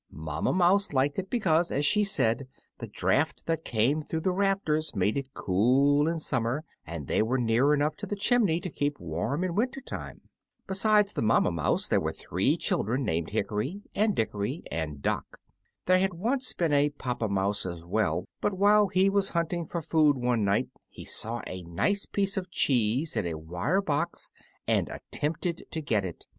Mamma Mouse liked it because, as she said, the draught that came through the rafters made it cool in summer, and they were near enough to the chimney to keep warm in winter time. Besides the Mamma Mouse there were three children, named Hickory and Dickory and Dock. There had once been a Papa Mouse as well; but while he was hunting for food one night he saw a nice piece of cheese in a wire box, and attempted to get it.